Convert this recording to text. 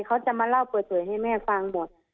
เขาจะมาเล่าเปิดเผยให้แม่ฟังหมด